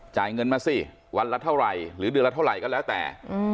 จ่ายเงินมาสิวันละเท่าไหร่หรือเดือนละเท่าไหร่ก็แล้วแต่